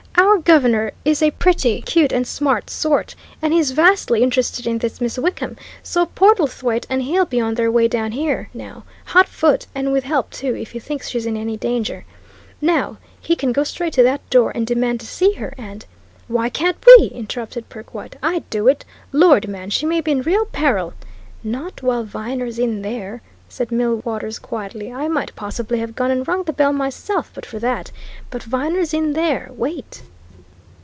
"Our governor is a pretty cute and smart sort, and he's vastly interested in this Miss Wickham; so Portlethwaite and he'll be on their way down here now, hot foot; and with help, too, if he thinks she's in any danger. Now, he can go straight to that door and demand to see her, and " "Why can't we?" interrupted Perkwite. "I'd do it! Lord, man, she may be in real peril " "Not while Viner's in there," said Millwaters quietly. "I might possibly have gone and rung the bell myself, but for that. But Viner's in there wait!"